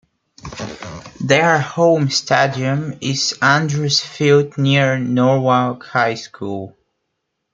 Their home stadium is Andrews Field near Norwalk High School.